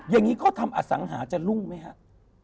อย่างนี้ก็ทำอสังหาษ์จะรุ่งไหมครับ